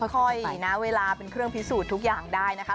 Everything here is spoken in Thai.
ค่อยนะเวลาเป็นเครื่องพิสูจน์ทุกอย่างได้นะคะ